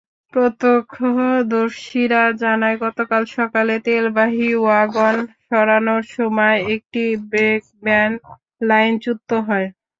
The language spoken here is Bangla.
প্রত্যক্ষদর্শীরা জানায়, গতকাল সকালে তেলবাহী ওয়াগন সরানোর সময়ে একটি ব্রেকভ্যান লাইনচ্যুত হয়।